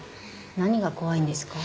何が怖いんですか？